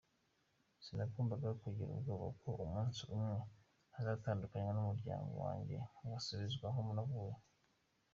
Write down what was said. Sinagombaga kugira ubwoba ko umunsi umwe nzatandukanywa n’umuryango wanjye, ngasubizwa aho navuye.